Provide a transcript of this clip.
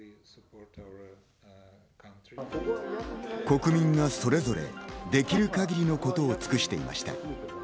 国民がそれぞれできる限りのことを尽くしていました。